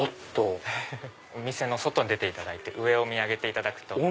お店の外に出ていただいて上を見上げていただくと。